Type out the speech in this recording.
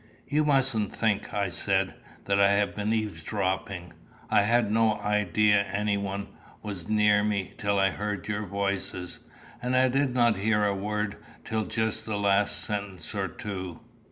"You mustn't think," I said, "that I have been eavesdropping. I had no idea anyone was near me till I heard your voices, and I did not hear a word till just the last sentence or two."